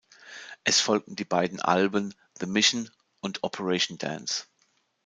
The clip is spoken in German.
Es folgten die beiden Alben "The Mission" und "Operation Dance".